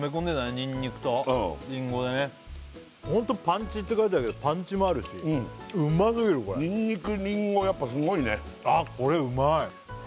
ニンニクとリンゴでねホントパンチって書いてあるけどパンチもあるしうますぎるこれニンニクリンゴやっぱすごいねあっこれうまい！